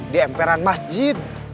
di emperan masjid